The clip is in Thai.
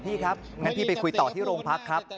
อ่อพี่เราก็คุยต่อที่โรงพักร์ครับ